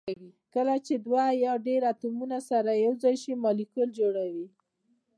کله چې دوه یا ډیر اتومونه سره یو ځای شي مالیکول جوړوي